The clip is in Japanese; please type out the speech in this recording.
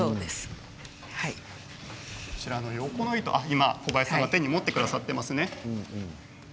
今、小林さんが手に持ってくださっていますね。